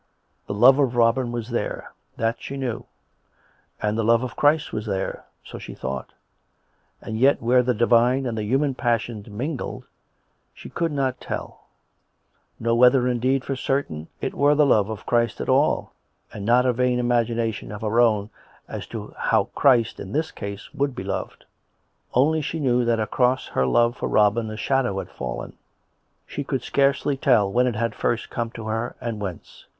The love of Robin was there — that she knew; and the love of Christ was there — so she thought; and yet where the divine and the human passion mingled, she could not tell; nor whether, indeed, for certain, it were the love of Christ at all, and not a vain imagination of her own as to how Christ, in this case, would be loved. Only she knew that across her love for Robin a shadow had fallen; she could scarcely tell when it had first come to her, and whence.